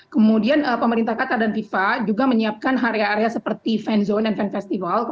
kemudian pemerintah qatar dan fifa juga menyiapkan area area seperti fan zone dan fan festival